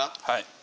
はい。